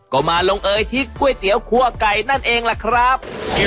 ก็มาลงเอยที่ก๋วยเตี๋ยวคั่วไก่นั่นเองล่ะครับ